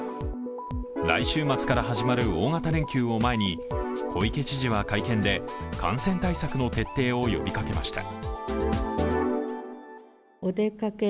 来週末から始まる大型連休を前に小池知事は会見で、感染対策の徹底を呼びかけました。